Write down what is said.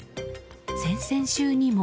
先々週にも。